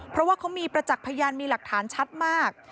เพราะว่าเขามีประจักษ์พยานมีหลักฐานชัดมาก